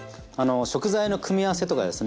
食材の組み合わせとかですね